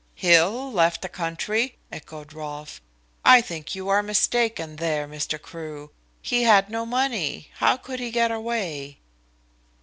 "Hill left the country?" echoed Rolfe. "I think you are mistaken there, Mr. Crewe. He had no money; how could he get away?"